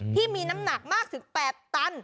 ที่มีน้ำหนักมากถึง๘ตัน